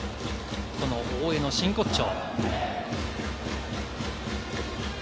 大江の真骨頂。